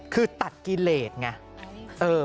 คือตัดกิเลสไง